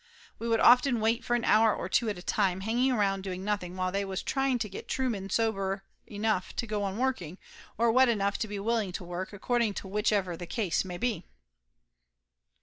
We would often wait for a hour or two at a time, hanging around doing nothing, while they was trying to get Trueman sober enough to go on working, or wet enough to be willing to work, according to whichever the case might be.